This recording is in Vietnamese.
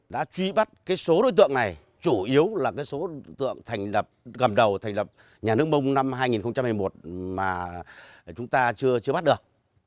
đã truy bắt số đối tượng này chủ yếu là số đối tượng gặm đầu thành lập nhà nước mông năm hai nghìn một mươi một mà chúng ta chưa bắt được